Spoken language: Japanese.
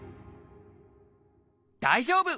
大丈夫！